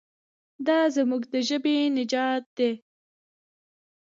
دا زموږ د ژبې نجات دی.